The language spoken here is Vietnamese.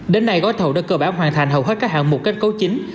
đến nay gói thầu đã cơ bản hoàn thành hầu hết các hạng mục kết cấu chính